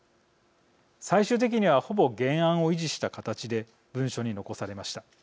最終的にはほぼ原案を維持した形で文書に残されました。